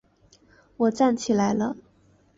我站了起来